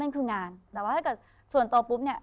แต่ว่าถ้าเกิดส่วนตัวปุ๊บเนี่ย